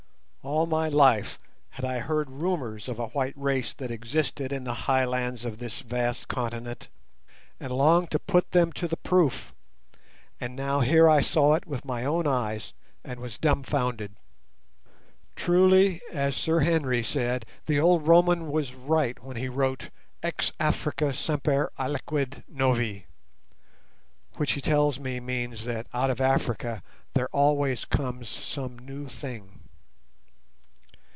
All my life had I heard rumours of a white race that existed in the highlands of this vast continent, and longed to put them to the proof, and now here I saw it with my own eyes, and was dumbfounded. Truly, as Sir Henry said, the old Roman was right when he wrote "Ex Africa semper aliquid novi", which he tells me means that out of Africa there always comes some new thing.